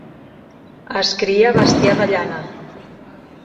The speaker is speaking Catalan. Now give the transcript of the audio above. Es cria bestiar de llana.